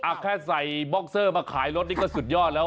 แค่ใส่บ็อกเซอร์มาขายรถนี่ก็สุดยอดแล้ว